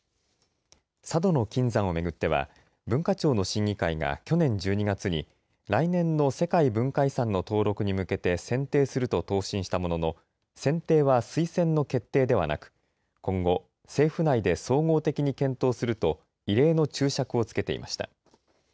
佐渡島の金山を巡っては、文化庁の審議会が去年１２月に来年の世界文化遺産の登録に向けて選定すると答申したものの選定は推薦の決定ではなく今後、政府内で総合的に検討すると異例の注釈をつけていました。